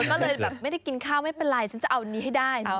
ก็เลยแบบไม่ได้กินข้าวไม่เป็นไรฉันจะเอานี้ให้ได้เนอะ